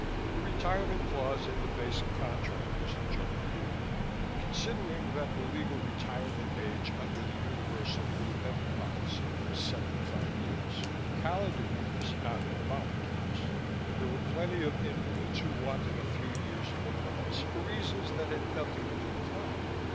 The retirement clause in the basic contract was the joker here. Considering that the legal retirement age under the universal Blue Heaven policy was seventy five years calendar years, not metabolic years there were plenty of invalids who wanted a few years in the vaults for reasons that had nothing to do with health.